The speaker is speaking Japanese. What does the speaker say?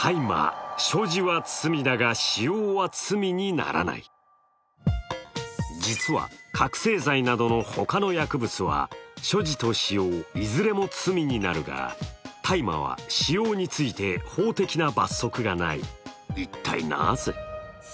それは実は、覚醒剤などの他の薬物は所持と使用、いずれも罪になるが大麻は使用について法的な罰則がない、一体なぜ？